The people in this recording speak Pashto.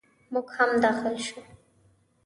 موږ هم داخل شوو.